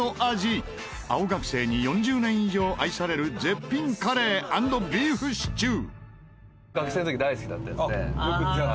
青学生に４０年以上愛される絶品カレー＆ビーフシチュー。